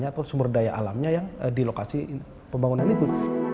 atau sumber daya alamnya yang di lokasi pembangunan itu